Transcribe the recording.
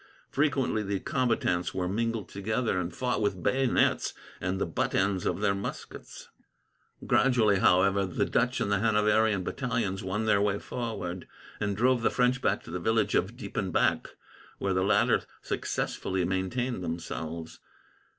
Frequently the combatants were mingled together, and fought with bayonets and the butt ends of their muskets. Gradually, however, the Dutch and the Hanoverian battalions won their way forward, and drove the French back to the village of Diepenbeck, where the latter successfully maintained themselves.